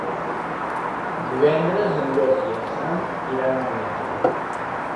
Divendres en Llop i en Sam iran al metge.